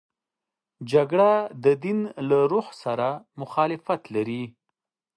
جګړه د دین له روح سره مخالفت لري